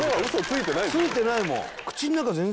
ついてないもん。